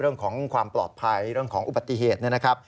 เรื่องของความปลอดภัยเรื่องของอุบัติเหตุนะครับ